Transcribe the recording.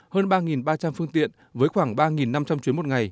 hơn ba ba trăm linh phương tiện với khoảng ba năm trăm linh chuyến một ngày